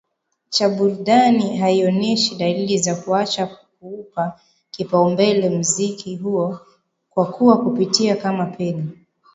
cha burudani haioneshi dalili za kuacha kuupa kipaumbele muziki huo kwakuwa kupitia kama peni